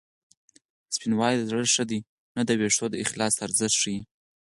سپینوالی د زړه ښه دی نه د وېښتو د اخلاص ارزښت ښيي